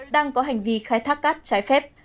đang có hành vi khai thác cát trái phép